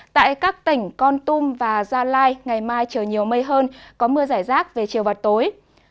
tại các tỉnh con tum và gia lai ngày mai trời nhiều mây hơn có mưa giải rác về chiều và tối